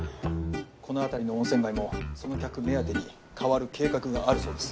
この辺りの温泉街もその客目当てに変わる計画があるそうです。